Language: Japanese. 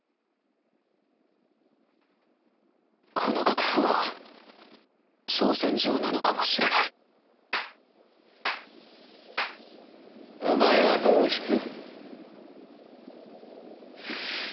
この楽譜は挑戦状なのかもしれないお前はどう弾く？